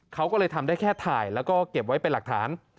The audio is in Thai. เขาก็เลยทำได้แค่ถ่ายแล้วก็เก็บไว้เป็นหลักฐาน